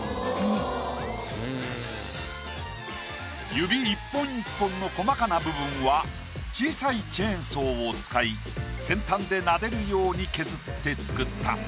指一本一本の細かな部分は小さいチェーンソーを使い先端でなでるように削って作った。